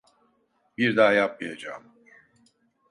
Bir daha yapmayacağım.